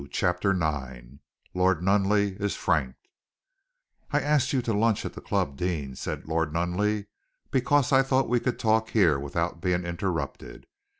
CHAPTER IX LORD NUNNELEY IS FRANK "I asked you to lunch at the club, Deane," said Lord Nunneley, "because I thought that we could talk here without being interrupted.